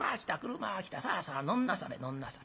さあさあ乗んなされ乗んなされ」。